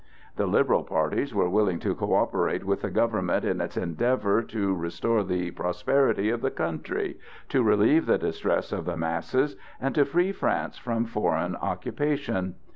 The liberal parties were willing to coöperate with the government in its endeavor to restore the prosperity of the country, to relieve the distress of the masses, and to free France from foreign occupation.